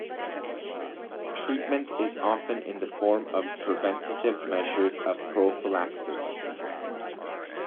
Treatment is often in the form of preventative measures of prophylaxis.